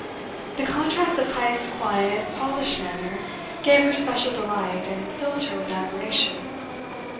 The contrast of Heyst's quiet, polished manner gave her special delight and filled her with admiration.